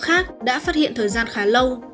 khác đã phát hiện thời gian khá lâu